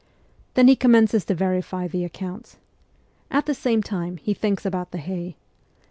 Then he commences to verify the accounts. At the same time, he thinks about the hay.